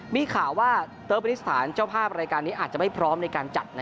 มีข่าวว่าเตอร์เบนิสถานเจ้าภาพรายการนี้อาจจะไม่พร้อมในการจัด